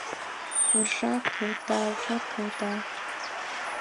Уржа кылта — вот кылта.